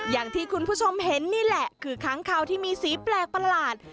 อย่างที่คุณผู้ชมเห็นนี่แหละคือค้างคาวที่มีสีแปลกประหลาด